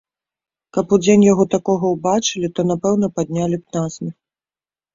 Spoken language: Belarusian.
Каб удзень яго такога ўбачылі, то, напэўна, паднялі б на смех.